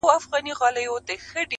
زه مي ټوله ژوندون ومه پوروړی.!